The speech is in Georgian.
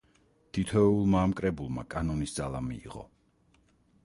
თითოეულმა ამ კრებულმა კანონის ძალა მიიღო.